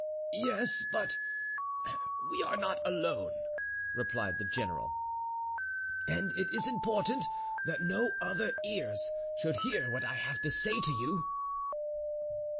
"Yes, but we are not alone," replied the general, "and it is important that no other ears should hear what I have to say to you."